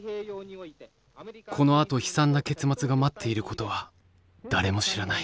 このあと悲惨な結末が待っていることは誰も知らない